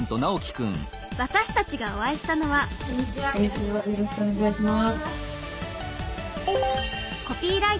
私たちがお会いしたのはこんにちはよろしくお願いします。